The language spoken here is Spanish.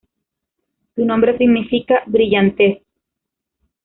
Su nombre significa "brillantez".